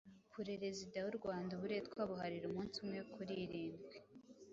pureRezida w'u Rwanda uburetwa abuharira umunsi umwe kuri irindwi